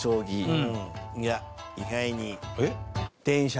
いや意外に。